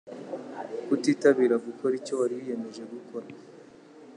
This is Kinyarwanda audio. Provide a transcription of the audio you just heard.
Kutitabira gukora icyo wari wiyemeje gukora.